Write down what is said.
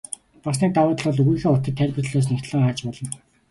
Бас нэг давуу тал бол үгийнхээ утгыг тайлбар толиос нягтлан харж болно.